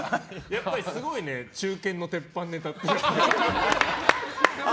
やっぱりすごいね中堅の鉄板ネタって。